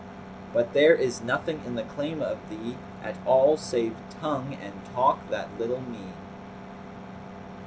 But there is nothing in the claim of thee * At all, save tongue and talk that little mean."